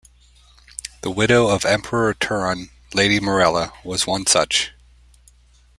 The widow of Emperor Turhan, Lady Morella, was one such.